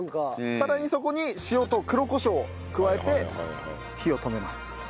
さらにそこに塩と黒コショウを加えて火を止めます。